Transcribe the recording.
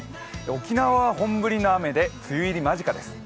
沖縄は本降りの雨で梅雨入り間近です。